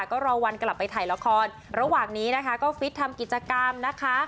ก็รอวันกลับไปถ่ายละครระหว่างนี้นะคะก็ฟิตทำกิจกรรมนะคะ